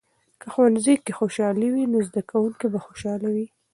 که ښوونځۍ کې خوشحالي وي، نو زده کوونکي به خوشحاله وي.